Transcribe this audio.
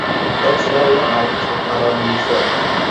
Дај сеа ја малку, се караа меѓу себе.